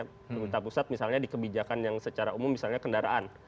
pemerintah pusat misalnya di kebijakan yang secara umum misalnya kendaraan